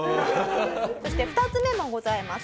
そして２つ目もございます。